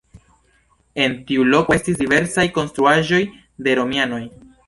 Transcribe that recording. En tiu loko estis diversaj konstruaĵoj de romianoj.